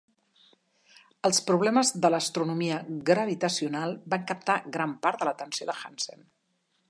Els problemes de l'astronomia gravitacional van captar gran part de l'atenció de Hansen.